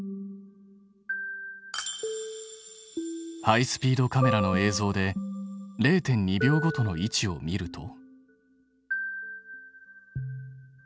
ハイスピードカメラの映像で０．２秒ごとの位置を見ると。